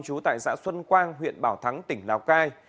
trú tại xã xuân quang huyện bảo thắng tỉnh lào cai